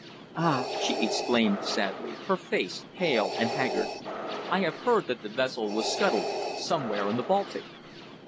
"Ah!" she exclaimed sadly, her face pale and haggard. "I have heard that the vessel was scuttled somewhere in the Baltic."